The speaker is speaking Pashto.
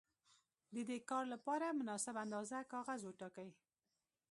د دې کار لپاره مناسبه اندازه کاغذ وټاکئ.